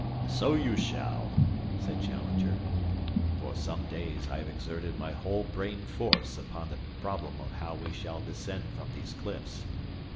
"So you shall," said Challenger. "For some days I have exerted my whole brain force upon the problem of how we shall descend from these cliffs.